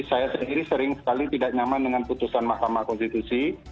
saya sendiri sering sekali tidak nyaman dengan putusan mahkamah konstitusi